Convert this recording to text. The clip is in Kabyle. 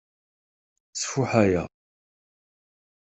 Sfuḥ aya.